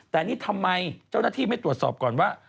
แต่นี่ทำไมเจ้าหน้าที่ไม่ตรวจสอบก่อนว่า